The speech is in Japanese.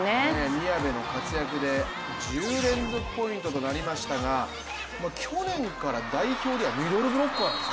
宮部の活躍で１０連続ポイントとなりましたが去年から代表ではミドルブロッカーで。